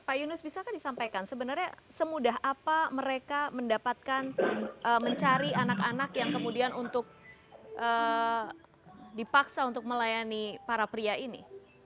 pak yunus bisakah disampaikan sebenarnya semudah apa mereka mendapatkan mencari anak anak yang kemudian untuk dipaksa untuk melayani para pria ini